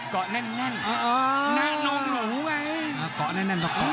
เกาะแน่น